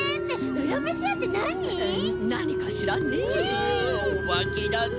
うおばけだぞ。